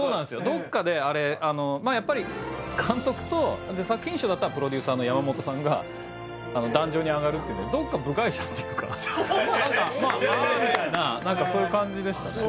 どっかであれやっぱり監督と作品賞だったらプロデューサーの山本さんが壇上に上がるっていうんでどっか部外者っていうか何かまあああみたいな何かそういう感じでしたね